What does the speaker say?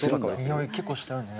におい結構したよね。